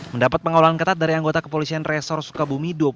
mendapat pengolahan ketat dari anggota kepolisian resor sukabumi